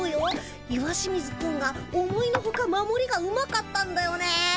石清水君が思いのほか守りがうまかったんだよね。